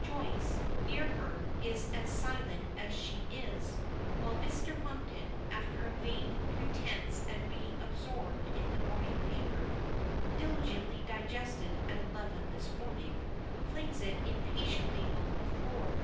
Joyce, near her, is as silent as she is; while Mr. Monkton, after a vain pretence at being absorbed in the morning paper (diligently digested at 11 this morning), flings it impatiently on the floor.